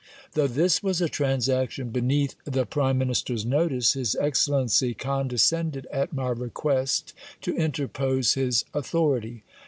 Though this was a transaction beneath the prime ministers notice, his excellency condescended at my request to interpose his authority.